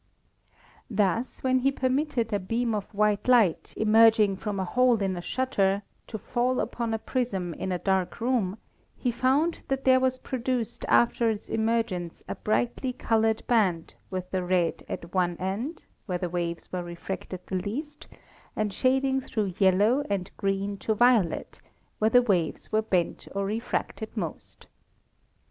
Thus, when he permitted a beam of white light, emerging from a hole in a shutter, to fall upon a prism in a dark room, he found that there was produced after its emergence a brightly col 27 28 ASTRONOMY ored band with the red at one end, where the waves were refracted the least, and shading through yellow and green to violet, where the waves were bent or refracted most.